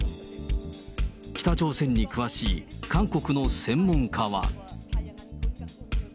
北朝鮮に詳しい韓国の専門家は。